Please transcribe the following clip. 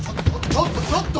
ちょっとちょっと。